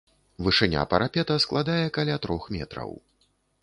Вышыня парапета складае каля трох метраў.